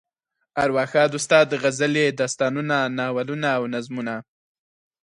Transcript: ارواښاد استاد غزلې، داستانونه، ناولونه او نظمونه.